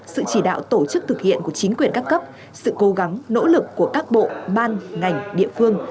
sự chỉ đạo tổ chức thực hiện của chính quyền các cấp sự cố gắng nỗ lực của các bộ ban ngành địa phương